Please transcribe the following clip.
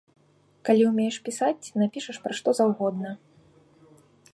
Калі ўмееш пісаць, напішаш пра што заўгодна.